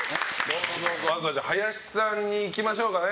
林さんにいきましょうかね。